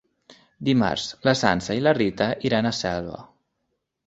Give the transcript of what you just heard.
Dimarts na Sança i na Rita iran a Selva.